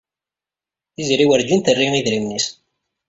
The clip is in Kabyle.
Tiziri werǧin d-terri idrimen-is.